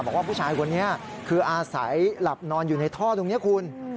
บอกว่าผู้ชายคนนี้คืออาศัยหลับนอนอยู่ในท่อตรงนี้คุณ